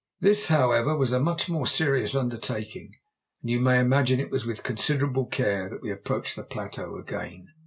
This, however, was a much more serious undertaking, and you may imagine it was with considerable care that we approached the plateau again.